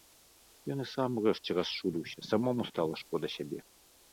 Ён і сам урэшце расчуліўся, самому стала шкода сябе.